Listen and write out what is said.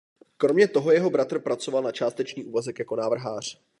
Kromě toho jeho bratr pracoval na částečný úvazek jako návrhář.